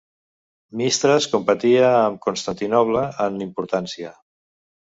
Mystras competia amb Constantinoble en importància.